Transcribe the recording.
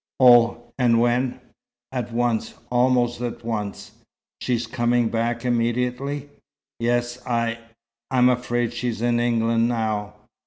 "Oh! and when " "At once. Almost at once." "She's coming back immediately?" "Yes. I I'm afraid she's in England now."